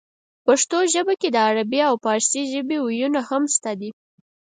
پښتو ژبې کې د عربۍ او پارسۍ ژبې وييونه هم شته دي